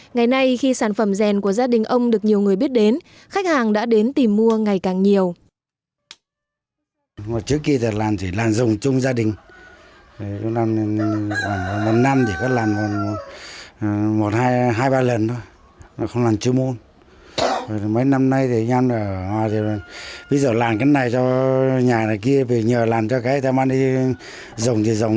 ngày nay khi sản phẩm rèn của gia đình ông được nhiều người biết đến khách hàng đã đến tìm mua ngày càng nhiều